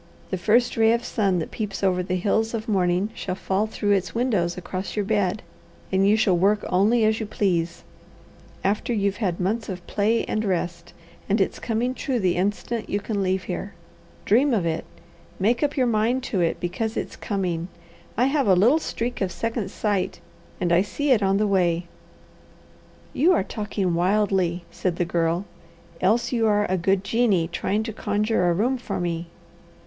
The first ray of sun that peeps over the hills of morning shall fall through its windows across your bed, and you shall work only as you please, after you've had months of play and rest; and it's coming true the instant you can leave here. Dream of it, make up your mind to it, because it's coming. I have a little streak of second sight, and I see it on the way." "You are talking wildly," said the Girl, "else you are a good genie trying to conjure a room for me."